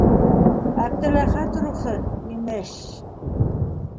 Әптеләхәт рухы, имеш!